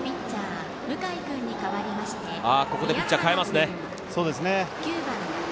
ここでピッチャーを代えますね。